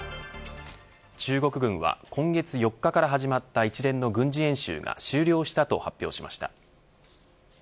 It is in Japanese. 中国軍は今月４日から始まった一連の軍事演習が終了したと発表しました。